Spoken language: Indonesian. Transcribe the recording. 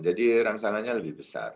jadi rangsangannya lebih besar